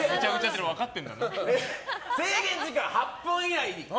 制限時間８分以内に。